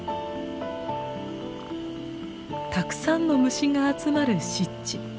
たくさんの虫が集まる湿地。